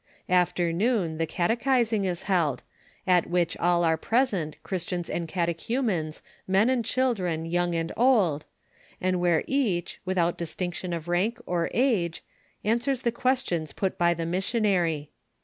"After noon the oatochi«iiiir i« held, at which all are preient, Chrittiani and cntoohumena, men and ohiMon, young and old, and where each, without dit* tinoiion of rank or ago, aniwen the questions put by the missionary.